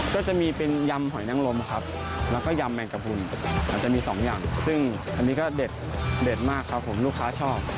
ก็จะมีเป็นยำหอยนังลมครับแล้วก็ยำแมงกระพุนอาจจะมีสองยำซึ่งอันนี้ก็เด็ดมากครับผมลูกค้าชอบ